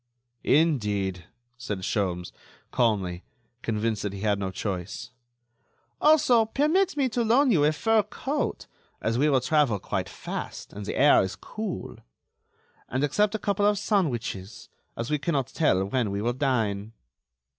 "Indeed!" said Sholmes, calmly, convinced that he had no choice. "Also, permit me to loan you a fur coat, as we will travel quite fast and the air is cool. And accept a couple of sandwiches, as we cannot tell when we will dine."